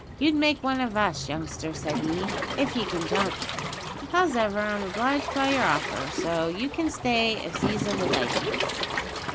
"You'd make one of us, youngster," said he, "if ye can jump. Howsever, I'm obliged by your offer, so you can stay if Ziza would like it."